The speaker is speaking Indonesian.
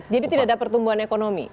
jadi tidak ada pertumbuhan ekonomi